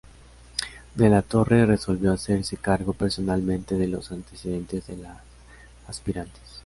De la Torre resolvió hacerse cargo personalmente de los antecedentes de las aspirantes.